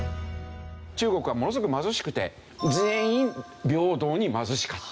中国はものすごく貧しくて全員平等に貧しかった。